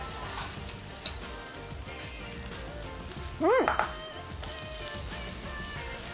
うん！